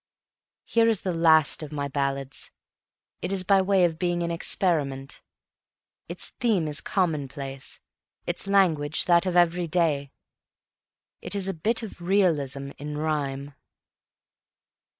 Here is the last of my ballads. It is by way of being an experiment. Its theme is commonplace, its language that of everyday. It is a bit of realism in rhyme.